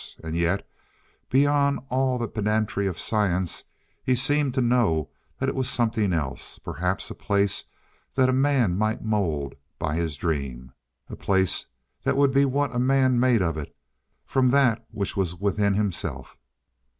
And yet, beyond all that pedantry of science, he seemed to know that it was something else, perhaps a place that a man might mould by his dreams. A place that would be what a man made of it, from that which was within himself.